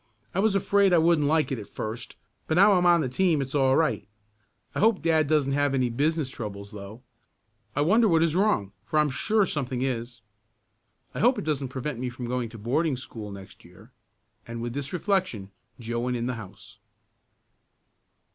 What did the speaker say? "I was afraid I wouldn't like it at first, but now I'm on the team it's all right. I hope dad doesn't have any business troubles though. I wonder what is wrong for I'm sure something is. I hope it doesn't prevent me from going to boarding school next year," and with this reflection Joe went in the house.